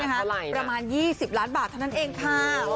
เท่าไหร่กระมาณ๒๐ล้านบาทเท่านั้นเองค่ะ